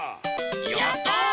やった！